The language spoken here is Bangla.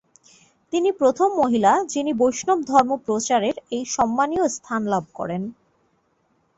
তিনি প্রথম মহিলা যিনি বৈষ্ণব ধর্ম প্রচারের এই সন্মানীয় স্থান লাভ করেন।